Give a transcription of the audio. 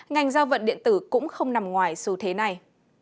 ngành giao vận điện tử cũng không nằm ngoài xu thế này